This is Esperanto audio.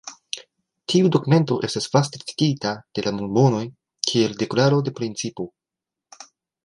Tiu dokumento estas vaste citita de la mormonoj kiel deklaro de principo.